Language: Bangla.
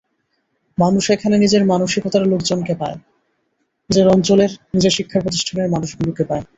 মানুষ এখানে নিজের মানসিকতার লোকজনকে পায়, নিজের অঞ্চলের, নিজের শিক্ষাপ্রতিষ্ঠানের মানুষগুলোকে পায়।